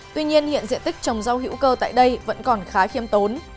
tuy nhiên hiện diện tích trồng rau hữu cơ tại đây vẫn còn khá khiêm tốn